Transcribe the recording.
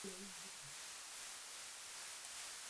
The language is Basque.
Axi izango da mintzatzeko gauza?.